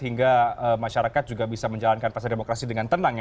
hingga masyarakat juga bisa menjalankan pasar demokrasi dengan tenang ya